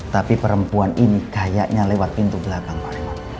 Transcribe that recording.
tapi perempuan ini kayaknya lewat pintu belakang pak herman